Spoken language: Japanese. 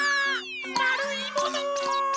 まるいもの！